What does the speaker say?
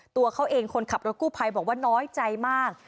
ตัวเขาเองคนขับรถกู้ภัยบอกว่าน้อยใจมาก